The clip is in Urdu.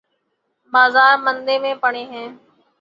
بازار مندے پڑے ہیں۔